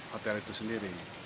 hotel itu sendiri